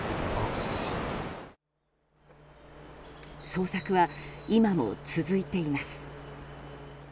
捜索は今も続いています。